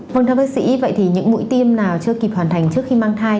vâng thưa bác sĩ vậy thì những mũi tiêm nào chưa kịp hoàn thành trước khi mang thai